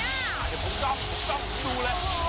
ถ้ายังจะตรงต่อตรงต่อไปดูเลย